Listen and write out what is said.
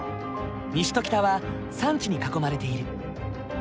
西と北は山地に囲まれている。